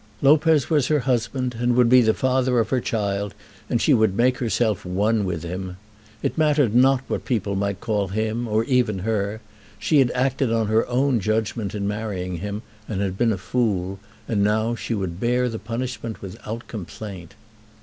Lopez was her husband, and would be the father of her child, and she would make herself one with him. It mattered not what people might call him, or even her. She had acted on her own judgment in marrying him, and had been a fool; and now she would bear the punishment without complaint.